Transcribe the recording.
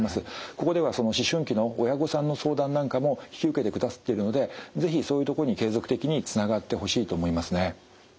ここでは思春期の親御さんの相談なんかも引き受けてくださっているので是非そういうとこに継続的につながってほしいと思いますね。